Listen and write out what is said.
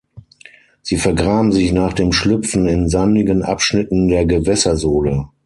Sie vergraben sich nach dem Schlüpfen in sandigen Abschnitten der Gewässersohle.